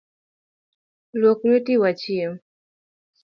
Luok lueti wachiem.